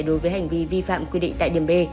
đối với hành vi vi phạm quy định tại điểm b